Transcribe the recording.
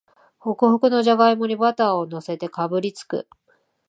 ホクホクのじゃがいもにバターをのせてかぶりつく